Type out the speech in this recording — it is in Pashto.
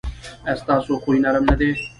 ایا ستاسو خوی نرم نه دی؟